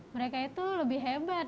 mereka itu lebih hebat